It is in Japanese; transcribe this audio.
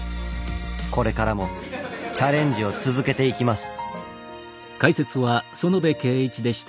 これからもチャレンジを続けていきます。